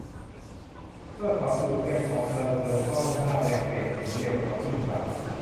เมื่อเขาจูบแก้มของเธอเธอก็หน้าแดงเปลี่ยนสีเร็วกว่ากิ้งก่า